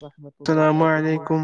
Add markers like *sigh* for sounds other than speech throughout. وورحمۃ السلام اللہ علیکم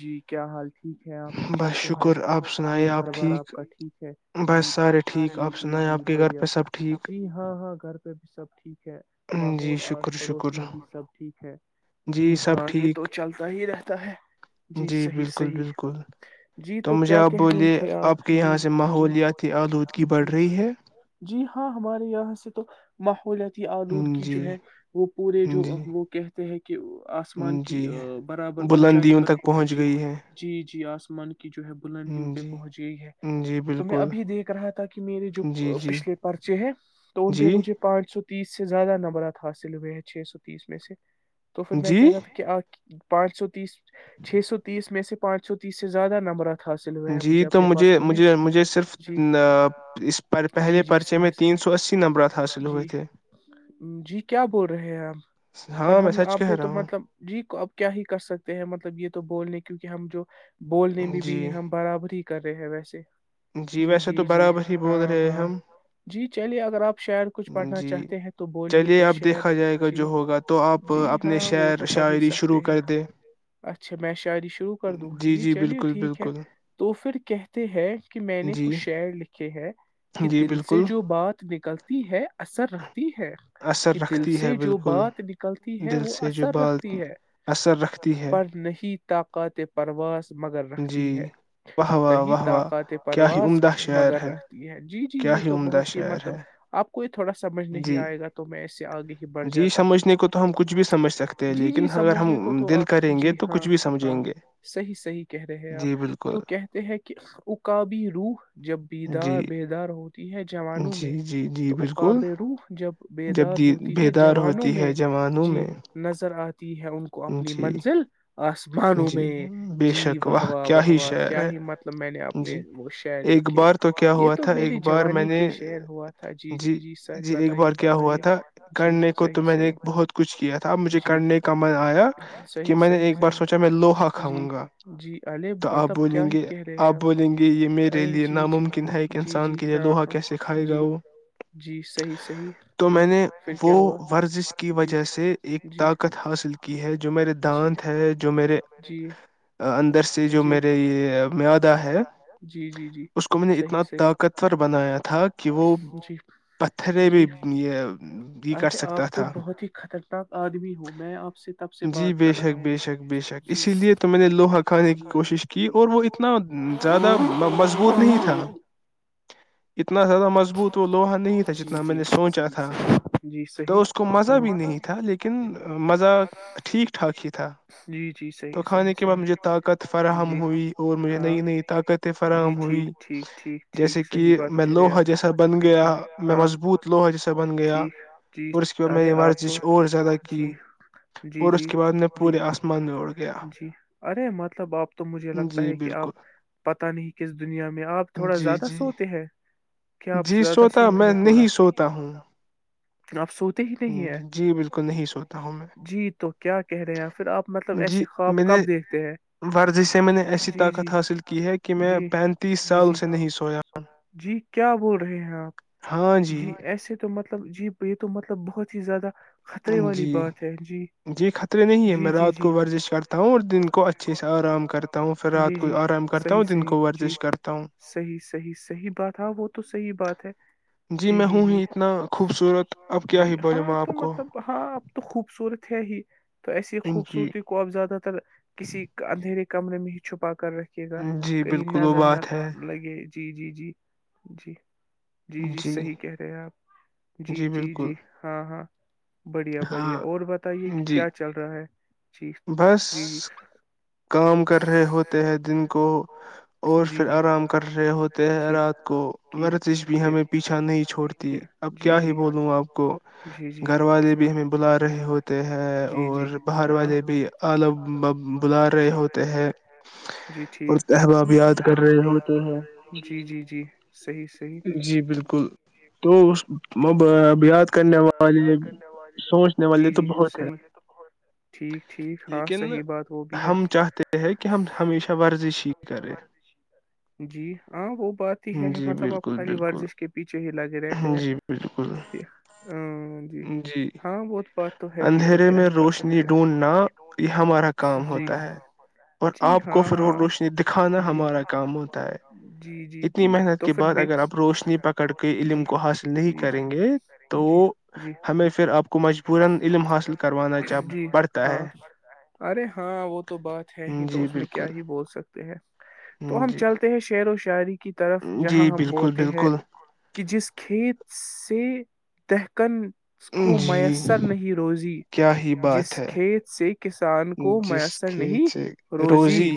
جی *unintelligible* کیا حال ٹھیک ہے آپ اچھے بس سے ہ آپ شکر جی سنائیں گھر بار آپ ٹھیک کا ٹھیک ہے بس جی سارے ٹھیک جی آپ جی سنائیں جی آپ کے گھر بڑھیا پہ سب ٹھیک جی ہاں ہاں گھر پہ بھی سب ٹھیک ہے جی ماحول شکر آس پڑوس شکر میں بھی سب ٹھیک ہے جی ہ سب ہاں یہ تو ٹھیک چلتا ہی رہتا ہے جی صحیح بالکل صحیح بالکل جی تو مجھے کیا آپ کہہ رہے بولیے تھے آپ کے جی یہاں سے ج ماحولیاتی جڑ آلودگی رہی بڑھ ہے جی ہاں ہمارے یہاں سے تو ماحول آلود کی جو جی ہے وہ پورے جو جی وہ کہ تحیکہ آ آم کی جی برابر اونچائی بلندیوں پر تک پہنچ پہنچی گئی ہے جی جی آ *unintelligible* جو ہے بلندیوں پہ جی پہنچ گئی ہے جی تو میں بالکل ابھی دیکھ رہا تھا کہ میرے جو جی جی پچھلے پرچے ہیں تو ان پہ جی مجھے پانچ سو تیس سے زیادہ نمبرات حاصل ہوئے ہیں چھ سو تیس میں سے تو پھر میں جی کہہ رہا تھا کہ پانچ سو چھ سو تیس میں سے پانچ سو تیس سے زیادہ نمبرات حاصل ہوئے ہیں جی تو اپنے مجھے پرچوں میں مجھے مجھے صرف جی اس پہلے جی جی پرچے میں صحیح تین صحیح سو اسی نمبرات حاصل ہوئے جی تھے جی کیا بول رہے ہیں آپ پر ہاں میں ہم نے سچ کہ آپ نے رہا تو ہوں مطلب جی کو اب کیا ہی کر سکتے ہیں مطلب یہ تو بولنے کے کیونکہ ہم جو بولنے میں بھی جی ہے ہم برابری ہی کر رہے ہیں ویسے جی ویسے تو جی جی برابر ہی بول ہاں رہے ہیں ہاں ہم جی چلیے اگر آپ شہر کچھ پڑھنا جی چاہتے ہیں تو بولیے چلیے تو اب دیکھا جائے شہر گا جو جی ہوگا تو آپ جی اپنے ہاں وہ شعر تو کر ہی شاعری شروع سکتے ہیں کر دیں اچھا میں شاعری شروع کر دوں جی چلیے ٹھیک ہے تو پھر کہتے ہیں کہ میں نے جی کچھ شعر لکھے ہے کہ جی دل سے بالکل جو بات نکلتی ہے اثر رکھتی ہے کہ اثر دل رکھتی ہے سے جو بالکل بات نکلتی ہے دل وہ سے جو اثر بال رکھتی ہے اثر رکھتی ہے پر نہیں طاقت پرواز مگر جی رکھتی ہے واہ واہ نہیں واہ واہ طاقت کیا ہی پرواز عمدہ شعر مگر رکھتی ہے جی کیا یہ ہی تو عمدہ بہت ہی شعر مطلب ہے آپ کو یہ تھوڑا سمجھ نہیں جی آئے گا تو میںیں ایسے جی سمجھنے کو تو ہم کچھ بھی سمجھ سکتے ہیں جی جی لیکن اگر سمجھنے کو ہم تو دل آپ کریں گے جی تو ہاں کچھ بھی ہاں سمجھیں گے صحیح صحیح کہہ رہے ہیں آپ جی بالکل تو کہتے ہیں کہ اکابی روح جب بیدار جی بیدار ہو ہو ہے جوانوں جی میں جی جی تو بالکل اقاب روح جب جب بیدار دی ہوتی ہے بیدار جوانوں ہوتی ہے میں جوانوں جی میں ر آ تی ہے ان کو اپنی جی منزل آسمانوں جی میں بے جی شک واہ واہ کیا واہ ہی واہ شعر کیا ہے ہی مطلب میں نے اپنے جی وہ شعر ایک لکھے بار تو کیا یہ ہوا تو تھا ایک میری بار میں جوانی نے کے شر ہوا تھا جی جی جی سر ایک بتائیے بار کیا ہوا بتائیے تھا جی صحیح صحیح تب مجھے جی کرنے کا من آیا کہ صحیح میں نے صحیح ایک بار سوچا میں لوہا صحیح جی کھاؤں گا جی ارے تو آپ مطلب کیا بولیں ہی گے کہہ رہے آپ ہیں بولیں گے یہ آپ میرے ارے لیے جی جی ناممکن ہے ایک جی انسان جی کے لیے ہاں لوہا ہاں کیسے کھائے گا جی وہ جی صحیح صحیح تو میں جی نے پھر وہ کیا ہوا ورزش کی جی وجہ سے ایک طاقت حاصل کی ہے جو میرے دانت ہے جو میرے جی یہ جو میرے جی اندر در سے جی آ، جو جی میرے یہ مدا ہے جی جی جی اس کو میں نے صحیح اتنا صحیح طاقتور بنایا تھا کہ وہ جی پتھرے جی بھی یہ یہ کر ارے آپ سکتا تو تھا بہت ہی خطرناک آدمی ہوں میں آپ سے تب سے جی بات بے کر رہا شک ہوں بے شک بے شک جی اسی اس لیئے تو میں نے لوہا کھانے کی جی جی کوشش کی جی اور وہ اتنا کوشش زیادہ اور مضبوط نہیں تھا وہ اتنا اتنا زیادہ مضبوط وہ لوہا نہیں تھا جی جتنا میں جی نے سوچا صحیح تھا صحیح جی تو صحیح اس کو مزہ بھی نہیں تھا لیکن مزہ ٹھیک ٹھاک ہی تھا جی جی تو صحیح صحیح کھانے کے بعد مجھے طاقت صحیح فراہم جی ہوئی اور مجھے ہاں نئی نئی طاقتیں جی فراہم ہوئی ٹھیک ٹھیک ٹھیک جیسے ٹھیک کہ صحیح بات میں کہہ رہے لوہا جیسا بن آپ گیا جی میں ہاں مضبوط لوہ جیسے بن گیا ٹھیک جی اور اس کے بع میں نے ارے آپ ورزش تو اور زیادہ کی جی جی اور اس جی کے بعد میں جی پورے آسمان میں اوڑ گ جی ارے مطلب آپ تو مجھے لگتا جی ہے کہ آپ بالکل پت نہیں کس دنیا میں آپ تھوڑا جی زیادہ جی سوتے ہیں کیا آپ جی زیادہ سوتا سوتے میں ہیں تھوڑا نہیں سوتا ہوں آپ سوتے ہی نہیں ہیں جی بالکل نہیں سوتا ہوں میں جی تو کیا کہہ رہے ہیں پھر آپ مطلب جی ایسے خواب میں نے کب دیکھتے ورزش سے میں نے ہیں ایسی جی جی طاقت حاصل کی ہے کہ میں جی پینتیس جی سال جی سے نہیں سویا جی کیا بول رہے ہیں آپ جی ایسے تو مطلب مطلب جی یہ تو مطلب بہت ہی زیادہ خطرے والی جی بات ہے جی خطرے نہیں ہے جی میں جی رات جی کو ب ورزش کرتا ہوں اور دن کو اچھے سے آرام کرتا ہوں پھر رات جی جی کو آرام کرتا صحیح ہوں دن صحیح کو جی ورزش کرتا ہوں صحیح صحیح صحیح بات ہے وہ تو صحیح بات ہے جی میں ہوں ہی اتنا خوبصورت اب کیا جی ہی بولوں ہاں آپ تو کو مطلب ہاں اب تو خوبصورت ہے ہی تو ایسی جی خوبصورتی زیادہ تر کسی اندھیرے کمرے میں ہی چھپاتا کر رکھیے گا جی کہیں بالکل وہ نظر نہ بات ہے لگے جی جی جی جی جی جی صحیح کہہ رہے ہیں آپ جی جی جی ہاں ہاں بڑھیا بڑھیا ہاں اور بتائیے کہ جی کیا چل رہا ہے جی جی بس جی کام کر رہے ہوتے ہیں دن کو اور پھر آرام کر رہے ہوتے ہیں رات کو ورزش بھی ہمیں پیچھا نہیں چھوڑتی اب کیا ہی بولوں آپ کو گھر والے بھی ہمیں بلا رہے ہوتے ہیں اور باہر والے بھی آو *unintelligible* ب ل رہے ہوتے ہیں جی اور ٹھیک احباب یاد کر رہے ہوتے ہیں ہوتے جی جی ہیں، جی صحیح صحیح جی بالکل توب یاد کرنے والے سوچنے والے جی تو جی بہت ہے صحیح ٹھیک ٹھیک ہاں لیکن صحیح بات وہ بھی ہے ہم چاہتے ہیں کہ ہم ہمیشہ ورزش ہی کریں ہو *unintelligible* بات ہی ہے جی مطلب آپ بالکل خالی بالکل ورزش کے پیچھے ہی لگے رہتے ہیں جی بالکل جی ہاں وہ بات تو ہے ہی تو اندھیرے کیا میں ہی کر روشنی سکتے ڈھونڈنا یہ ہمارا کام جی ہوتا ہے اور جی آپ کو ہاں فرغ ہاں روشنی دکھانا جی ہمارا کام ہوتا ہے جی جی اتنی جی محنت تو کے پھر بعد میں اگر اپ روشنی پکڑ کے جی جی علم کو حاصل نہیں کریں گے تو جی جی جی ہمیں پھر اپ کو مجبورا علم حاصل کروانا چاہ جی ہاں ہے ارے ہاں وہ تو بات ہے ہی تو جی اس میں بالکل کیا ہی بول سکتے ہیں تو ہم جی چلتے ہیں شیر و ش چاری *unintelligible* کی طرف جہاں جی ہم بالکل بولتے ہیں بالکل کہ جس کھیت سے دکن کو میسر جی نہیں روزی کیا ہی جس بات ہے کھیت سے کسان کو جس میسر نہیں کھیت سے روزی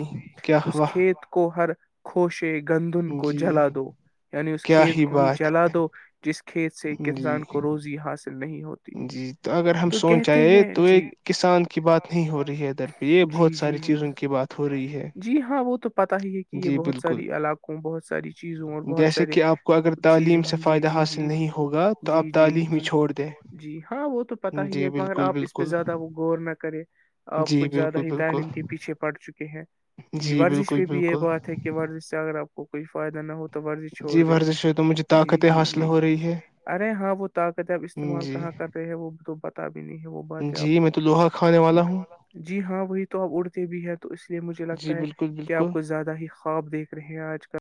کیا اس ہوا کھیت کو ہر خوش گندن کو جی جلا دو یعنی اس کیا کھیت کو ہی بات جلا دو جس کے کھیت سے ایک ہے جی انسان کو روزی حاصل نہیں ہوتی جی تو اگر ہم سون کہتے چاہ ہیں تو ایک جی کسان کی بات نہیں ہو رہی ہے ادھر پہ یہ جی بہت ساری جی جی چیزوں کی بات ہو رہی ہے جی ہاں وہ تو پتا ہی ہے کہ یہ جی بہت بالکل ساری علاقوں بہت ساری چیزوں اور بہت جیسے سارے کہ آپ کو اگر چیز تعلیم سے جی فائدہ جی حاصل نہیں ہوگا تو جی آپ جی تعلیم ہی جی چھوڑ دیں جی ہاں وہ تو پتہ ہی جی ہے مگر بالکل آپ اس پہ بالکل زیادہ وہ غور نہ کرے آپ جی کچھ زیادہ بالکل ہی بالکل تعلیم کے پیچھے پڑ چکے ہیں جی ورزش بالکل پہ بھی یہ بالکل بات ہے کہ ورزش سے اگر آپ کو کوئی فائدہ نہ ہوتا تو ورزی چھوڑ جی دے ورزش ہے تو مجھے جی طاقتیں جی حاصل جی ہو رہی ہے ارے ہاں وہ طاقت اب استعمال جی کہاں کر رہے ہیں وہ تو بتا بھی نہیں ہے وہ بات ہے جی آپ میں تو لوہا کھانے والا ہوں جی ہاں وہی تو آپ اڑتے بھی ہیں تو اس لیے مجھے جی لگتا ہے بالکل کہ بالکل آپ کو زیادہ ہی خواب دیکھ رہے ہیں آج کل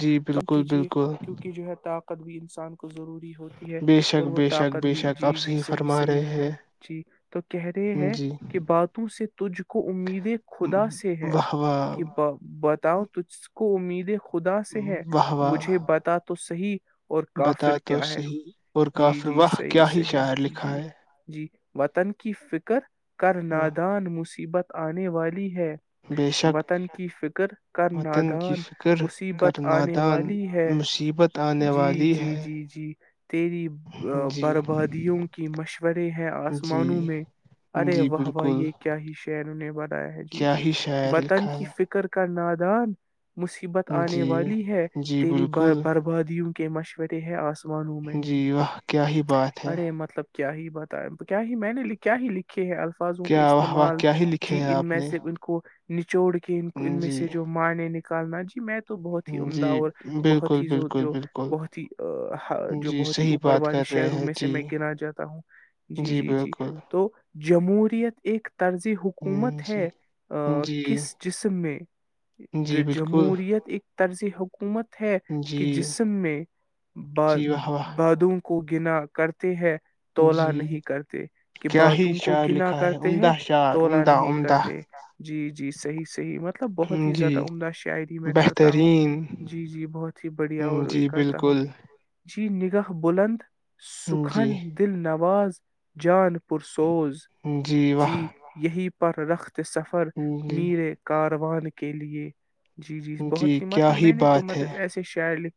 جی کم بالکل کیجیے بالکل کیونکہ جو ہے تق کد بھی انسان ضروری ہوتی ہے بے اور شک وہ بے شک طاقت بے بھی شک جی آپ جی صحیح فرما صحیح رہے ہیں جی تو کہہ رہے ہیں جی کہ باتوں سے تجھ کو امیدیں خدا سے ہے واہ واہ کہ بتاؤ ت قومی د خدا سے ہے واہ واہ مجھے بتا تو صحیح اور بتا کافر تو کیا ہے صحیح اور جی کافر جی واہ صحی کیا ہی صحیح شاعر لکھا جی ہے جی وطن کی فکر کر واہ، نادان مصیبت آنے والی ہے بے شک وطن کی فکر کر وطن کی نادان فکر کر مصیبت آنے نادان والی ہے مصیبت آنے جی والی جی ہے جی جی تیری جی بربادیوں کی مشورے ہیں جی آسمانوں میں ارے جی واہ واہ بالکل یہ کیا ہی کیایرنے بعد ہے جی کیا جی ہی شاعر وطن لکھا کی فکر کر کا نادان مشکل ہے آنے جی والی ہے جی تیری بالکل بربادیوں کے مشورے ہے آس جی وہ کیا ہی بات ہے ارے مطلب کیا ہی بتایا کیا ہی میں نے کیا ہی لکھی ہیں الفاظوں کے کیا واہ واہ استعمال کیا ہی لکھے جی ہے ان آپ میں نے سے ان کو نچوڑ ک ان جی میسیج جو م معنی نہیں کالا جی میں تو بہت ہی عمدہ جی اور بہت بالکل ہی بالکل جو بالکل بہت ہی جو جی بہت ہی صحیح اوپر بات والے کر رہے شہروں ہیں میں سے میں جی گنا جاتا ہوں جی جی جی تو جمہوریت ایکک *unintelligible* طرزی حکومت جی ہے جی کس جسم میں د جی بالکل جمہوریت ایکک طرزی حکومت ہے کہ جی جسم میں جی واہ واہ بادوں کو کو گنا کرتے ہیں تولہ جی نہیں کرتے کہ کیا ہی باتوں کو شعر گنا لکھا ہے کرتے ہیں عمدہ شعر تولا عمدہ نہیں عمدہ کرتے جی جی صحیح صحیح مطلب بہت ہی جی زیادہ عمدہ شاعری میں کر بہترین جی جی بہت ہی بڑھیا اور وہی جی کرتا ہوں بالکل جی نگاہ بلند جی سکھن دل نواز جان پرر سوز جی یہی پر رکھ ہے سفر جی میریر کار *unintelligible* وان کے لیے جی بہت ہی مطلب کیا میں نے تو بات مطلب ہے ایسے شاعر لکھ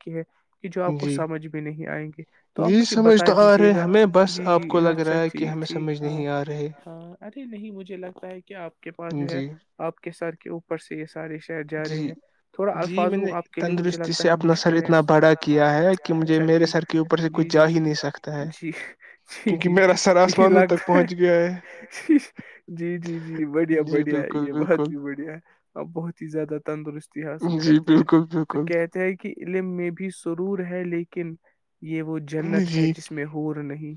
کہ جو آپ کو جی سمجھ میں نہیں آئیں گے تو آپ جی مجھے سمجھ بتا تو آ دیجیے رہے گا ہمیں بس جی جی آپ کو لگ اچھا رہا ہے کہ ٹھیک ہمیں سمجھ ٹھیک ہاں نہیں آ رہے ہاں ارے نہیں مجھے لگتا ہے کہ آپ کے پاس جو ہے جی آپ کے سر اوپر سے یہ سارے شہر جا رہے جی ہیں تھڑا جی میں الفاظوں نے آپ کے لیے مجھے تندرستی سے لگتا ہے اپنا سر مشکلیں اتنا بڑا کیا ہے کہ مجھے اچھا میرے ٹھیک سر کے اوپر سے کچھ جی جا جی ہی نہیں سکتا ہے جی جی کیونکہ میرا سر جی جی آسمانوں تک لگتا ہے پہنچ گیا جی جی جی بڑھیا جی بڑھیا بالکل یہ بات بالکل بھی بڑھیا ہے ا بہت زدہ تندرست حاصل جی کرتے ہیں بالکل تو بالکل کہتے ہیں کہ علم میں بھی ضرور ہے لیکن یہ وہ جنت ہے جی جس میں ہوور نہیں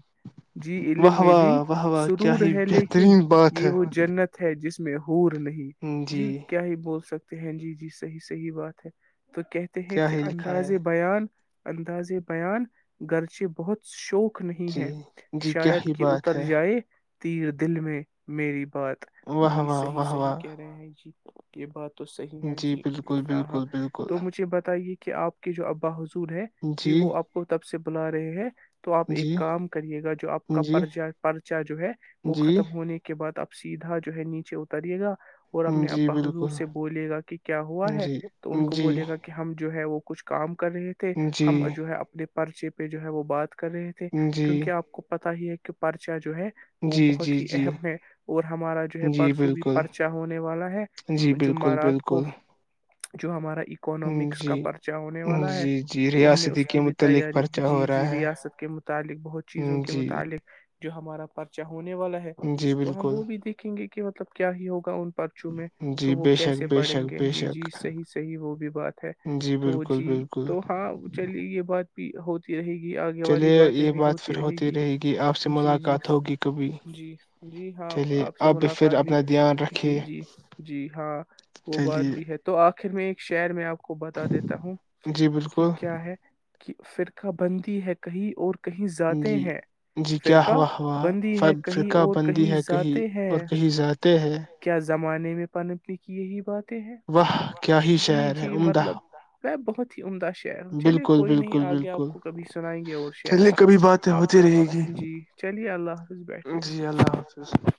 جی علم واہ میں واہ بھی واہ واہ کیا سرور ہی ہے لیکن بہترین بات یہ ہے وہ جنت ہے جس میں ہو نہیں جی کیا ہی بول سکتے ہاں جی جی صحیح صحیح بات ہے تو کہتے ہیں کیا کہ ہی لکھا ہے اندازے بیان اندازے بیان گرچہ بہت شوق نہیں ہے جی جی کیا شاید ہی کہ بات اتر ہے جائے تیر دل میں میری بات واہ جی واہ صحیح واہ صحیح واہ کہہ رہے ہیں جی یہ بات تو صحیح ہے جی بالکل بالکل بالکل یہ کہ آپ کے جو ابا حضو ہے جی وہ آپ کو تب سے بلا رہے ہیں تو آپ ایک جی کام کرے گا جو آپ کا جی پرا پرچا جو ہے وہ جی ختم ہونے کے بعد آپ سیدھا جو ہے نیچے اتریے گا اور اپنے جی ابا حضور بالکل سے بولے گا کہ کیا ہو ہوا ہے جی تو ان کو جی بولے گا کہ ہم جو ہے وہ کچھ کام کر رہے تھے ہم جی جو ہے اپنے پرچے پہ جو ہے وہ بات کر رہے تھے جی کیونکہ آپ کو پت ہی ہے کہ پرچا جو ہے وہ جی بہت جی ہی جی اہم ہے اور ہمارا جو ہے جی پرسوں بھی بالکل پرچا ہونے والا ہے جی بالکل جمارات کو بالکل جو ہمارا اکونامکس کا جی پرچہ ہونے والا ہے جی جی تو ہمیں ریاستی اس کے کی بھی متعلق تیاری پرچہ جی ہو جی رہا ریاست کے متعلق بہت چیزوں ہے کے جی متعلق جو ہمارا پرچا ہونے والا ہے جی تو ہم بالکل وہ بھی دیکھیں گے کہ کہ مطلب کیا ہی ہوگا ان پرچوں میں تو جی وہ بے شک کیسے بے پڑیں شک گے بے جی جی شک جی صحیح صحیح وہ بھی بات ہے جی تو بالکل جی بالکل تو ہاں چلیے یہ بات ہوتی رہے گی یہ آگے والی چلیے باتیں یہ بھی بات ہوتی پھر رہے گی آپ سے جی جی ملاقات ہوگی کبھی جی جی ہاں چلیے آپ سے پھر ملاقات بھی اپنا دھیان رکھیے جی جی جی ہاں وہ بات بھی چلیے ہے آخر میں ایک شہر میں آپ کو کو بتا دیتا ہوں جی کہ بالکل کیا ہے فرقہ بندی ہے کہیں اور کہیں ذاتیں جی ہیں جی کیا فرقہ ہوا ہوا بندی ہے کہیں ففرقہ اور بندی ہے کہیں ذاتیں اور ہیں کہیں اتے ہے کیا زمانے میں پنب ل کی یہی بات واہ کیا ہی جی شہر ہے جی عمدہ مطلب میں بہت ہی عمدہ شہر ہوں چلیے بالکل کوئی نہیں بالکل آگ آپ بالکل کو کبھی سنائیں گے اور چلیے کبھی شہر باتیں آپ ہوتی کا رہے وقت گی جی چلیے اللہ حاظ بیٹھے جی اللہ حافظ گ